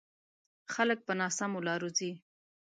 خلک په ناسمو لارو ځي.